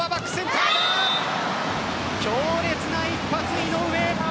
強烈な一発、井上。